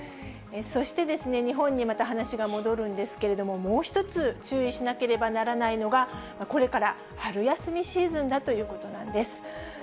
そしてですね、日本にまた、話が戻るんですけれども、もう一つ注意しなければならないのが、これから春休みシーズンだということなんです。